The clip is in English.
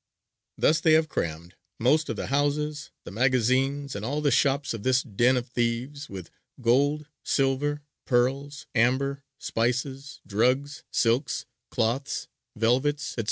Thus they have crammed most of the houses, the magazines, and all the shops of this Den of Thieves with gold, silver, pearls, amber, spices, drugs, silks, cloths, velvets, &c.